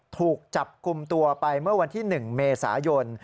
ถูกจับกลุ่มตัวไปเมื่อวันที่๑เมษายน